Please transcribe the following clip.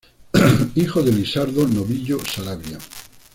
Hijo de Lisardo Novillo Saravia.